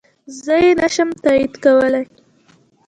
زه يي نشم تاييد کولی